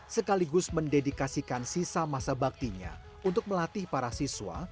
sekaligus mendedikasikan sisa masa baktinya untuk melatih para siswa